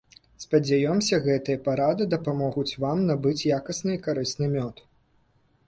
Спадзяёмся, гэтыя парады дапамогуць вам набыць якасны і карысны мёд.